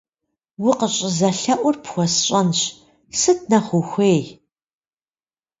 Укъыщӏызэлъэӏур пхуэсщӏэнщ, сыт нэхъ ухуей?